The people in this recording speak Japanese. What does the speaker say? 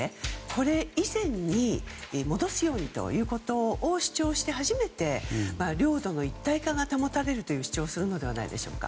これ以前に戻すようにということを主張して初めて領土の一体化が保たれると主張するのではないでしょうか。